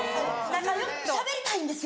しゃべりたいんですよ。